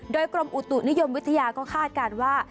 โดยกรมอุตุนิยมวิทยาก็คาดการณ์ว่า